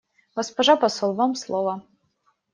Госпожа посол, вам слово.